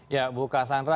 ya bu kasantra